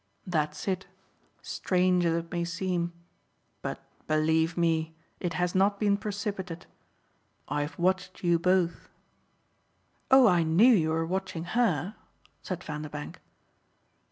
"That's it strange as it may seem. But believe me, it has not been precipitate. I've watched you both." "Oh I knew you were watching HER," said Vanderbank.